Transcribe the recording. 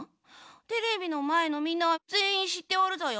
テレビのまえのみんなはぜんいんしっておるぞよ。